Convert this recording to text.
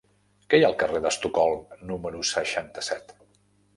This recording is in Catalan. Què hi ha al carrer d'Estocolm número seixanta-set?